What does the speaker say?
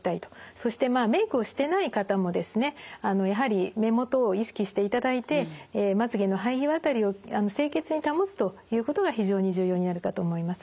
そしてメイクをしてない方もですねやはり目元を意識していただいてということが非常に重要になるかと思います。